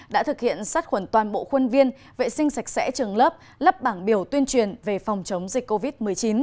đã thực hiện sát khuẩn toàn bộ khuôn viên vệ sinh sạch sẽ trường lớp lắp bảng biểu tuyên truyền về phòng chống dịch covid một mươi chín